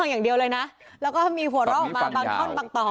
แม่ยังคงมั่นใจและก็มีความหวังในการทำงานของเจ้าหน้าที่ตำรวจค่ะ